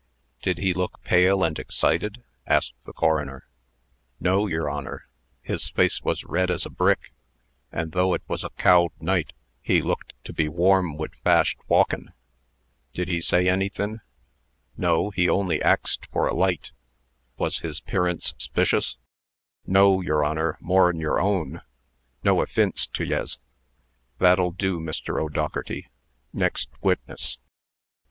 "Did he look pale and excited?" asked the coroner. "No, yer Honor; his face was red as a brick, an', though it was a cowld night, he looked to be warm wid fasht walkin'." "Did he say anythin'?" "No; he only axed for a light." "Was his 'pearance 'spicious?" "No, yer Honor, more'n yer own. No offince to yez." "That'll do, Mr. O'Dougherty. Next witness."